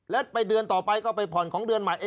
แล้วไปเดือนต่อไปก็ไปผ่อนของเดือนใหม่